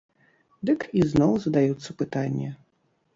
Дык ізноў задаюцца пытанні.